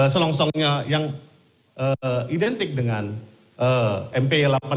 selongsongnya yang identik dengan mp delapan ratus lima puluh satu